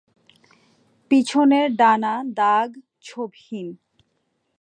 পিছনের ডানা দাগ-ছোপহীন।